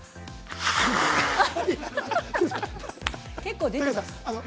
結構出てます。